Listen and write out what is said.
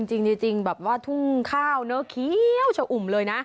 จริงแบบว่าทุ่งข้าวเนอะเคี้ยวชะอุ่มเลยนะ